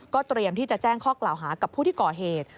เตรียมที่จะแจ้งข้อกล่าวหากับผู้ที่ก่อเหตุ